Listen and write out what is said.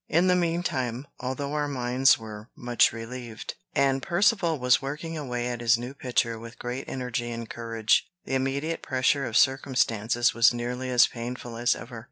In the mean time, although our minds were much relieved, and Percivale was working away at his new picture with great energy and courage, the immediate pressure of circumstances was nearly as painful as ever.